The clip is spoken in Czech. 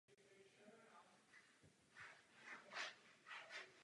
Poté ještě několikrát spolupracovala s různými hudebníky.